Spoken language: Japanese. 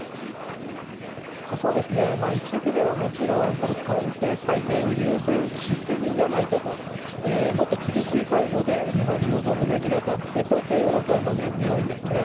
一部ではもちろんこの関係改善を優先しすぎじゃないかともっと厳しい態度で日本に臨むべきだとこういったような声も根強いんですね。